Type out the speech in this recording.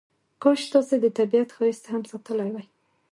کاش تاسې د طبیعت ښایست هم ساتلی وای.